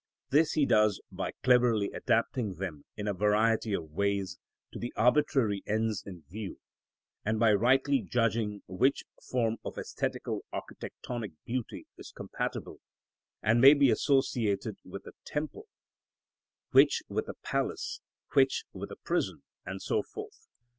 This he does by cleverly adapting them in a variety of ways to the arbitrary ends in view, and by rightly judging which form of æsthetical architectonic beauty is compatible and may be associated with a temple, which with a palace, which with a prison, and so forth.